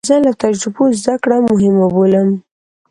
زه له تجربو زده کړه مهمه بولم.